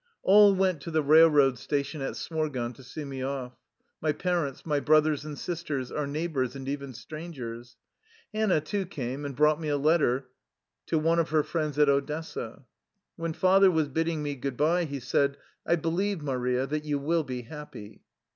All went to the railroad station at Smorgon to see me off : My parents, my brothers and sis ters, our neighbors, and even strangers. Han nah, too, came and brought me a letter to one of her friends at Odessa. When father was bidding me good by, he said :" I believe, Maria, that you will be happy."